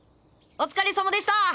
お疲れさまでした！